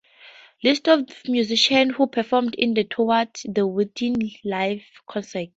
List of musicians who performed in the "Toward the Within" live concert.